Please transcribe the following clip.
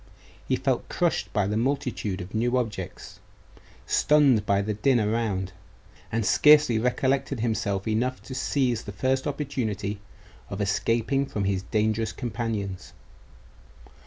He felt crushed by the multitude of new objects, stunned by the din around; and scarcely recollected himself enough to seize the first opportunity of escaping from his dangerous companions.